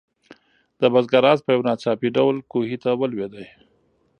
د بزګر آس په یو ناڅاپي ډول کوهي ته ولوېد.